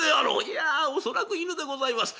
「いや恐らく犬でございます。